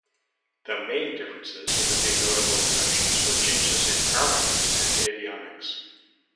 The main differences, with a few notable exceptions, were changes in armament and avionics.